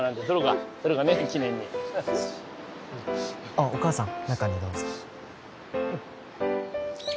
あっお母さん中にどうぞ。